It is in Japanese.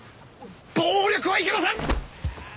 暴力はいけません！